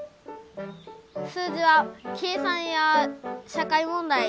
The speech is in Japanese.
数字は計算や社会問題